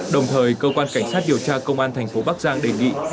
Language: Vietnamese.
đồng thời cơ quan cảnh sát điều tra công an thành phố bắc giang đề nghị